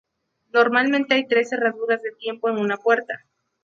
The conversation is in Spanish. Normalmente hay tres cerraduras de tiempo en una puerta.